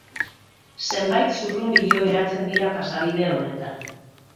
Zenbait zurrunbilo eratzen dira pasabide honetan.